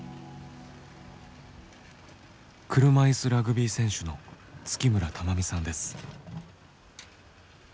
車いすラグビー選手の月村珠実さんです。